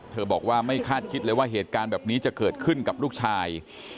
บอกว่าไม่คาดคิดเลยว่าเหตุการณ์แบบนี้จะเกิดขึ้นกับลูกชาย